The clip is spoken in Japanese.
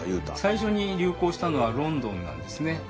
最初に流行したのはロンドンなんですね。